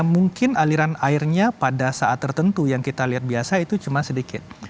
mungkin aliran airnya pada saat tertentu yang kita lihat biasa itu cuma sedikit